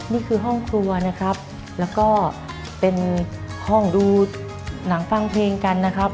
นี่คือห้องครัวนะครับแล้วก็เป็นห้องดูหนังฟังเพลงกันนะครับ